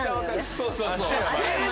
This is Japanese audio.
そうそうそう。